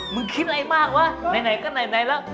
คิดอะไรมากวะไหนก็ไหนแล้ว